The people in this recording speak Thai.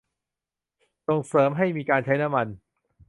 ส่งเสริมให้มีการใช้น้ำมัน